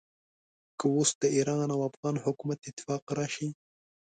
که اوس د ایران او افغان حکومت اتفاق راشي.